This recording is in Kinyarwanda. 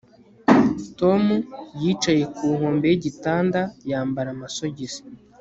Tom yicaye ku nkombe yigitanda yambara amasogisi